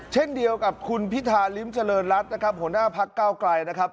เช่นเดียวกับคุณพิธาริมเจริญรัฐนะครับหัวหน้าพักเก้าไกลนะครับ